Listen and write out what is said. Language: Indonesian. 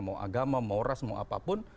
mau agama mau ras mau apapun